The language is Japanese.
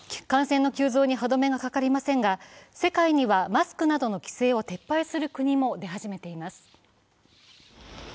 感染の急増に歯止めがかかりませんが、世界にはマスクなどの規制を撤廃する国も出始めています。